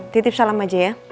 titip salam aja ya